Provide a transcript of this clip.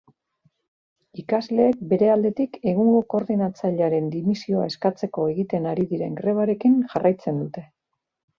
Ikasleek bere aldetik egungo koordinatzailearen dimisioa eskatzeko egiten ari diren grebarekin jarraitzen dute.